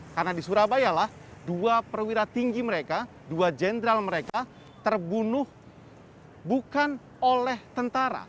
karena di surabayalah dua perwira tinggi mereka dua jenderal mereka terbunuh bukan oleh tentara